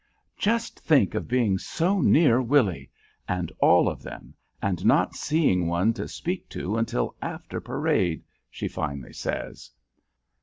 "Just think of being so near Willy and all of them and not seeing one to speak to until after parade," she finally says.